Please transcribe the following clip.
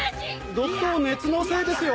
毒と熱のせいですよ。